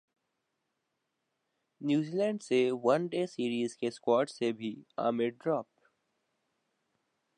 نیوزی Zealand سے one day series کے squad سے بھی عامر ڈراپ